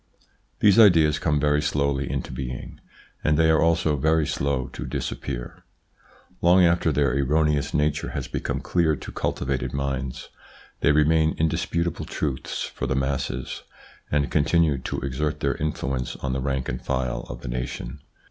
These ideas come very slowly into being, and they are also very slow to disappear. Long after their erroneous nature has become clear to cultivated minds, they remain indisputable truths for the masses, and continue to exert their influence on the rank and file of a nation.